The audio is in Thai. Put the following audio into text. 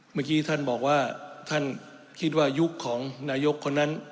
เมื่อกี้ท่านบอกว่าท่านคิดว่ายุคของนายกคนนั้น